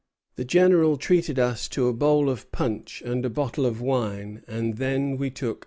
The General treated us to a bowl of punch and a bottle of wine, and then we took our leave of him."